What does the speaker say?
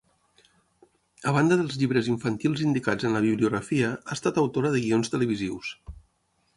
A banda dels llibres infantils indicats en la Bibliografia, ha estat autora de guions televisius.